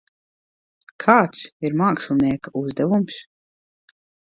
Kāds ir mākslinieka uzdevums?